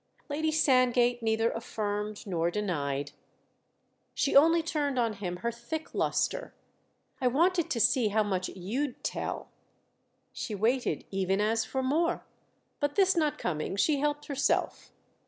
Lady Sandgate neither affirmed nor denied; she only turned on him her thick lustre. "I wanted to see how much you'd tell." She waited even as for more, but this not coming she helped herself.